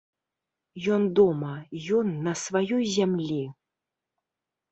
Ён дома, ён на сваёй зямлі!